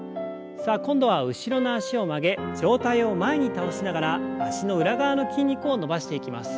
さあ今度は後ろの脚を曲げ上体を前に倒しながら脚の裏側の筋肉を伸ばしていきます。